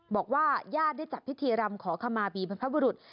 บอกว่าญาติได้จัดพิธีรำขอขมาบีบรรพบุรุษ